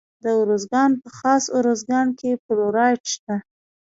د ارزګان په خاص ارزګان کې فلورایټ شته.